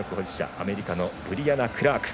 アメリカのブリアナ・クラーク。